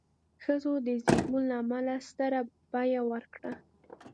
ښځو د زېږون له امله ستره بیه ورکړه.